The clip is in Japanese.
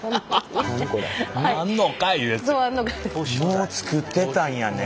もう作ってたんやね。